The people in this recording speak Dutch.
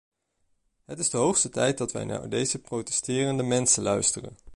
Het is de hoogste tijd dat wij naar deze protesterende mensen luisteren.